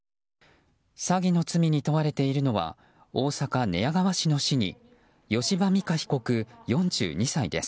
詐欺の罪に問われているのは大阪・寝屋川市の市議吉羽美華被告、４２歳です。